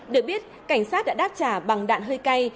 được biết cảnh sát đã đáp trả bằng đạn hơi cay